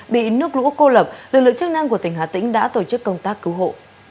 bị nước lũ cô lập lực lượng chức năng của tỉnh hà tĩnh đã tổ chức công tác cứu hộ